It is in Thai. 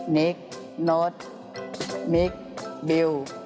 นิคโน๊ตมิคบิวดอล